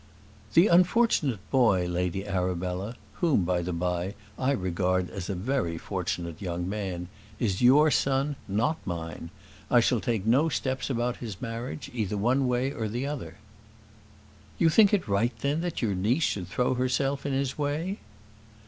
"The unfortunate boy, Lady Arabella whom, by the by, I regard as a very fortunate young man is your son, not mine. I shall take no steps about his marriage, either one way or the other." "You think it right, then, that your niece should throw herself in his way?"